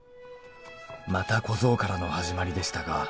「また小僧からの始まりでしたが」